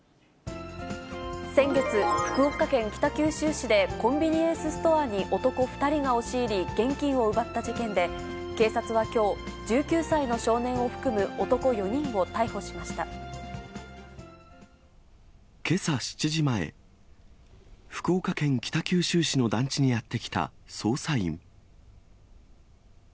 先月、福岡県北九州市でコンビニエンスストアに男２人が押し入り、現金を奪った事件で、警察はきょう、１９歳の少年を含む男４人をけさ７時前、福岡県北九州市の団地にやって来た捜査員。